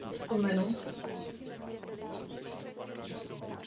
Rychle rostoucí nezaměstnanost se stala hlavním problémem současné finanční krize.